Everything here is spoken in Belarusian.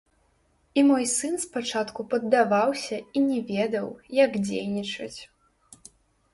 І мой сын спачатку паддаваўся і не ведаў, як дзейнічаць.